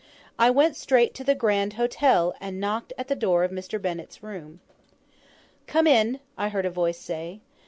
I went straight to the 'Grand Hotel,' and knocked at the door of Mr. Bennett's room. "Come in," I heard a voice say.